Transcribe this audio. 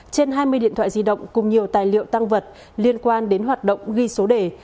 trên hai mươi điện thoại di động cùng nhiều tài liệu tăng vật liên quan đến hoạt động ghi số đề